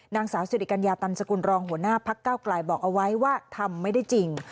นางสาวสิริกัญญาตันสกุลรองหัวหน้าพักเก้าไกลบอกเอาไว้ว่าทำไม่ได้จริง